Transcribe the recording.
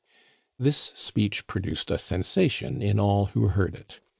This speech produced a sensation in all who heard it.